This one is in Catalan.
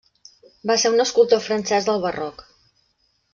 Va ser un escultor francès del barroc.